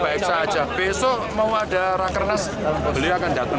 baik saja besok mau ada rakernas beliau akan datang